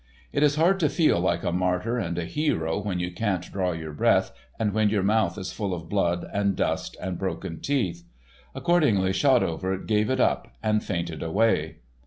It is hard to feel like a martyr and a hero when you can't draw your breath and when your mouth is full of blood and dust and broken teeth. Accordingly Shotover gave it up, and fainted away.